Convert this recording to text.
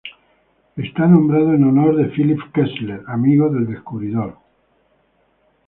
Está nombrado en honor de Philipp Kessler, amigo del descubridor.